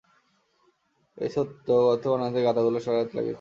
এই ছোট্ট গর্ত বানাতেই গাধাগুলো সারা রাত লাগিয়েছিল?